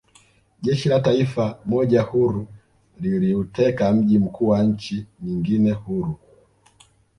Jeshi la taifa moja huru liliuteka mji mkuu wa nchi nyingine huru